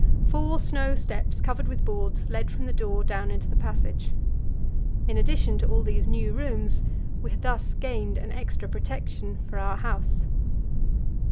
Four snow steps covered with boards led from the door down into the passage. In addition to all these new rooms, we had thus gained an extra protection for our house.